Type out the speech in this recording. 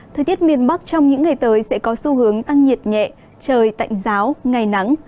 thời tiết miền bắc trong những ngày tới sẽ có xu hướng tăng nhiệt nhẹ trời tạnh giáo ngày nắng